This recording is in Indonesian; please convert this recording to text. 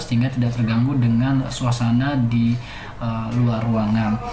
sehingga tidak terganggu dengan suasana di luar ruangan